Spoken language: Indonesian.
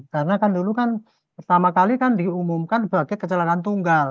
karena kan dulu kan pertama kali kan diumumkan sebagai kecelakaan tunggal